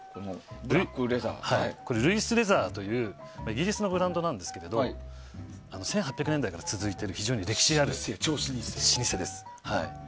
ルイスレザーズというイギリスのブランドですが１８００年代から続いている歴史ある老舗です。